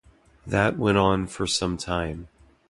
That went on for some time.